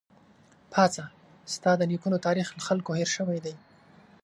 پاڅه ! ستا د نيکونو تاريخ له خلکو هېر شوی دی